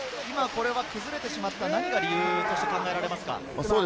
これは崩れてしまった理由としては何が考えられますか？